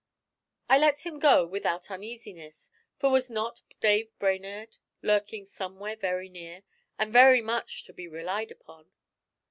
I let him go without uneasiness, for was not Dave Brainerd lurking somewhere very near, and very much to be relied upon?